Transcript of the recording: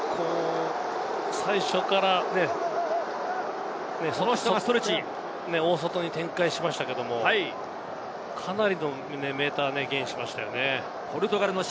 最初から大外に展開しましたけど、かなりのメーター、ゲインしましたよね。